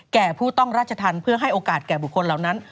แก่ผู้ต้องราชธรรมเพื่อให้โอกาสแก่บุคคลเหล่านั้น